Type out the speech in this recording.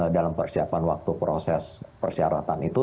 dalam persiapan waktu proses persyaratan itu